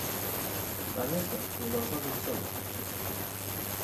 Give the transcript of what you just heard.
Конечно, мне должно быть совестно.